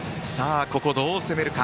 ここ、どう攻めるか。